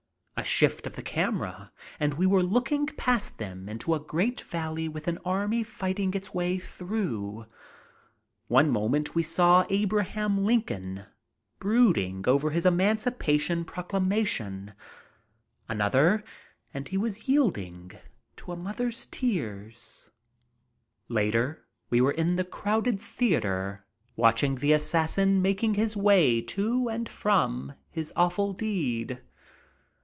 A shift of the camera and we were looking past them into a great valley with an army fighting its way through. One moment we saw Abraham Lincoln brooding over his Emancipation Procla mation; another, and he was yielding to a mother's tears; later we were in the crowded theatre watching the assassin making his way to and from his awful deed.